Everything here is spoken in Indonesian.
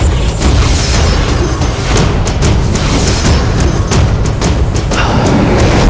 kau tidak bisa menangkapku